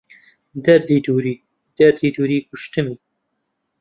دەردی دووری... دەردی دووری کوشتمی